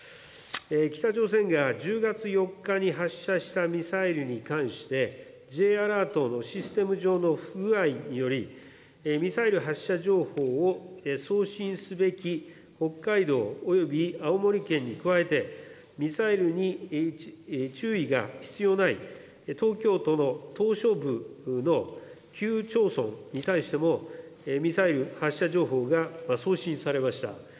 北朝鮮が１０月４日に発射したミサイルに関して、Ｊアラートのシステム上の不具合により、ミサイル発射情報を送信すべき北海道および青森県に加えて、ミサイルに注意が必要ない東京都の島しょ部の９町村に対しても、ミサイル発射情報が送信されました。